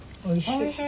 おいしい！